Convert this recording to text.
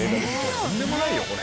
とんでもないよこれ。